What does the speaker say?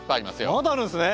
まだあるんすね！